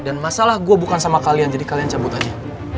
dan masalah gue bukan sama kalian jadi kalian cabut aja